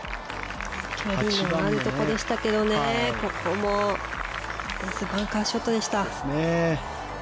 距離のあるところでしたけどここもナイスバンカーショットでした。